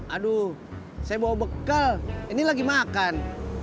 aduh saya bawa bekal ini lagi makan